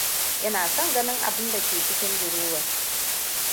Ina son ganin abin da ke cikin durowar.